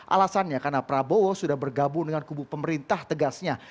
alasannya karena prabowo sudah bergabung dengan kubu pemerintah tegasnya